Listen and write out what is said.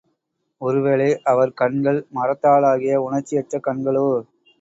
ஒரு வேளை அவர் கண்கள் மரத்தாலாகிய உணர்ச்சியற்ற கண்களோ?